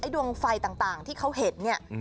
ดวงไฟต่างที่เขาเห็นเนี่ย